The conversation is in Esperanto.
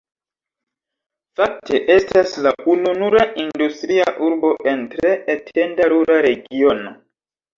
Fakte estas la ununura industria urbo en tre etenda rura regiono.